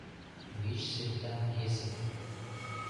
Вич сӱретан пьесе